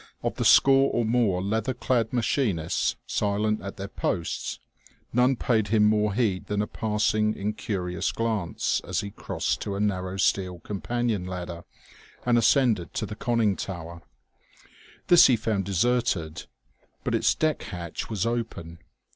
Of the score or more leather clad machinists silent at their posts, none paid him more heed than a passing, incurious glance as he crossed to a narrow steel companion ladder and ascended to the conning tower. This he found deserted; but its deck hatch was open.